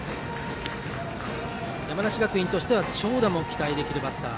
山梨学院としては長打も期待できるバッター。